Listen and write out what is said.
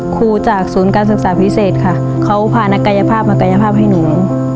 ครูจากศูนย์การศึกษาพิเศษค่ะเขาพานักกายภาพมากายภาพให้หนู